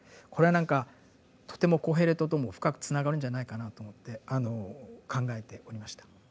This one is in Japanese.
これは何かとてもコヘレトとも深くつながるんじゃないかなと思って考えておりました。